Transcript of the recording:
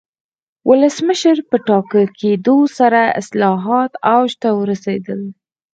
ولسمشر په ټاکل کېدو سره اصلاحات اوج ته ورسېدل.